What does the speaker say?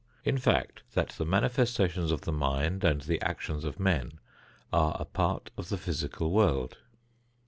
In fact, that the manifestations of the mind and the actions of men are a part of the physical world.